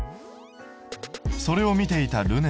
それを見ていたるね